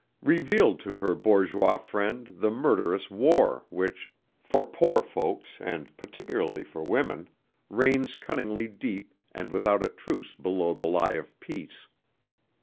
revealed to her bourgeois friend the murderous war which, for poor folks and particularly for women, reigns cunningly deep and without a truce below the lie of peace.